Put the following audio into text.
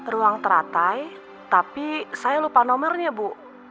ruang teratai tapi saya lupa nomornya bu